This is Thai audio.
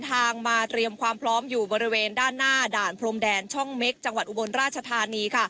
เตรียมความพร้อมอยู่บริเวณด้านหน้าด่านพลมแดนช่องเม็กส์ราชธานี